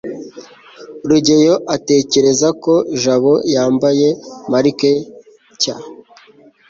rugeyo atekereza ko jabo yambaye marike cy